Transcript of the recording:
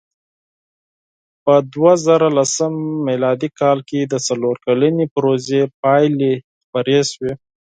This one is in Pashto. په دوهزرهلسم مېلادي کال کې د څلور کلنې پروژې پایلې خپرې شوې.